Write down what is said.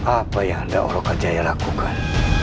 apa yang anda loh kejaya lakukan